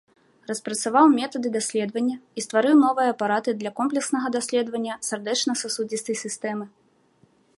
Распрацаваў метады даследавання і стварыў новыя апараты для комплекснага даследавання сардэчна-сасудзістай сістэмы.